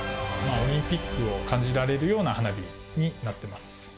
オリンピックを感じられるような花火になっています。